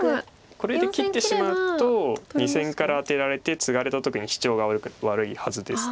これで切ってしまうと２線からアテられてツガれた時にシチョウが悪いはずです。